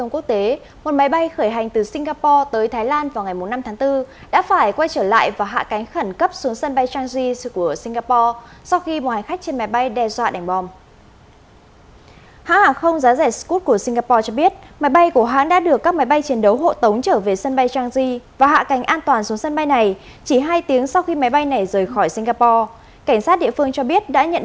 cảm ơn quý vị đã dành thời gian theo dõi chương trình